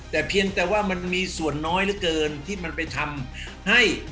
แต่เพียงแต่ว่ามันมีส่วนน้อยเหลือเกินที่มันไปทำให้